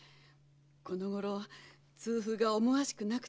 このごろ痛風が思わしくなくて。